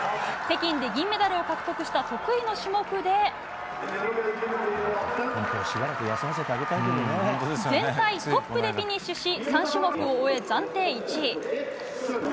北京で銀メダルを獲得した得意の種目で全体トップでフィニッシュし３種目を終え暫定１位。